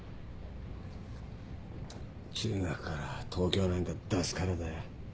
中学から東京なんか出すからだよ。